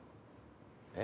えっ？